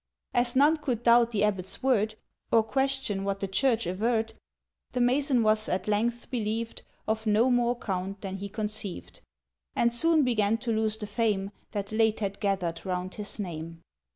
—As none could doubt the abbot's word, Or question what the church averred, The mason was at length believed Of no more count than he conceived, And soon began to lose the fame That late had gathered round his name